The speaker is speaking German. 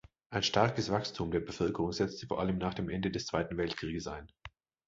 Ein starkes Wachstum der Bevölkerung setzte vor allem nach Ende des Zweiten Weltkrieges ein.